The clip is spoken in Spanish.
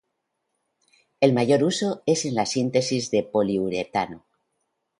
El mayor uso es en la síntesis de poliuretano.